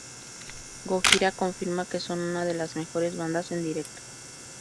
Gojira confirma que son una de las mejores bandas en directo.